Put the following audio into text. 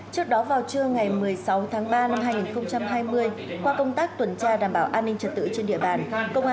trước đó vào trưa ngày một mươi sáu tháng ba năm hai nghìn hai mươi qua công tác tuần tra đảm bảo an ninh trật tự trên địa bàn